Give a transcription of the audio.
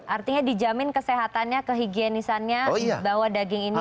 artinya dijamin kesehatannya kehigienisannya bahwa daging ini